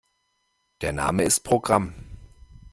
Der Name ist Programm.